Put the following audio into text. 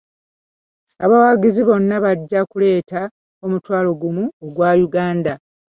Abawagizi bonna bajja kuleeta omutwalo gumu ogwa Uganda.